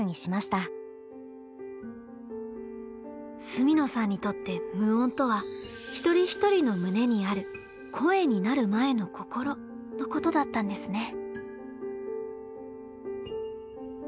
住野さんにとって「無音」とは一人一人の胸にある「声になる前の心」のことだったんですね。